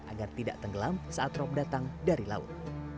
agar tidak tenggelam saat rob datang dari laut